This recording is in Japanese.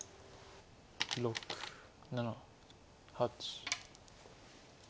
６７８。